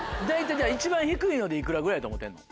一番低いのでいくらぐらいやと思ってんの？